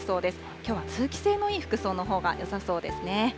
きょうは通気性のいい服装のほうがよさそうですね。